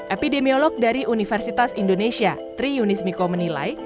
epidemiolog dari universitas indonesia tri yunis miko menilai